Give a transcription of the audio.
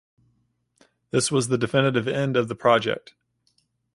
This was the definitive end of project.